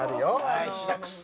はいシダックス。